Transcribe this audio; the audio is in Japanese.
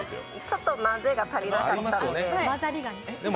ちょっと混ぜが足りなかったので。